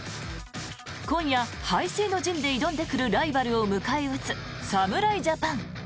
今夜、背水の陣で挑んでくるライバルを迎え撃つ侍ジャパン。